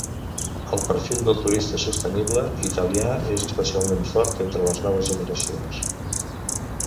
El perfil del turista sostenible italià és especialment fort entre les noves generacions.